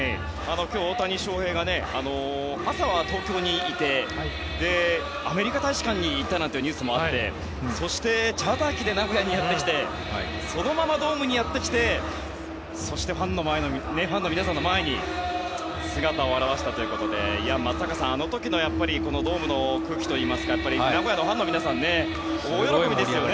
大谷翔平が朝は東京にいてアメリカ大使館に行ったなんていうニュースもあってそして、チャーター機で名古屋にやってきてそのままドームにやってきてファンの皆さんの前に姿を現したということで松坂さんあの時のドームの空気といいますか名古屋のファンの皆さんも大喜びでしたね。